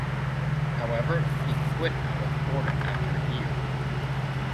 However he quit out of boredom after a year.